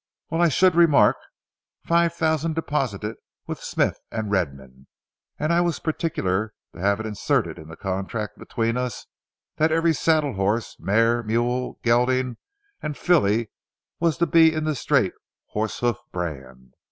Well, I should remark! Five thousand deposited with Smith & Redman, and I was particular to have it inserted in the contract between us that every saddle horse, mare, mule, gelding, and filly was to be in the straight 'horse hoof' brand.